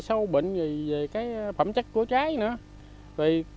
sâu bệnh về cái phẩm chất của trái nữa